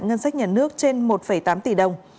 ngân sách nhà nước trên một tám tỷ đồng